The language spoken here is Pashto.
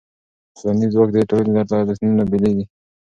ټولنیز ځواک د ټولنې له ارزښتونو نه بېلېږي.